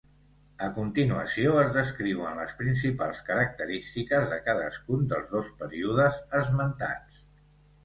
A continuació es descriuen les principals característiques de cadascun dels dos períodes esmentats.